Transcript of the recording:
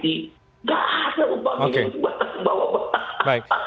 tidak ada upah upah yang batas bawah